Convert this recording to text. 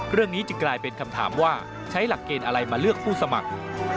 เรื่องนี้จึงกลายเป็นคำถามว่าใช้หลักเกณฑ์อะไรมาเลือกผู้สมัคร